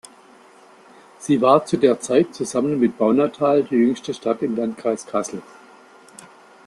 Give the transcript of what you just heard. Sie war zu der Zeit zusammen mit Baunatal die jüngste Stadt im Landkreis Kassel.